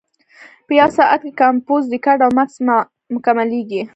په یو ساعت کې کمپوز، ریکارډ او مکس مکملېږي.